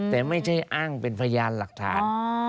แต่ไม่ใช่อ้างเป็นพยานหลักฐาน